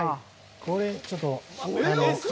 これをちょっと。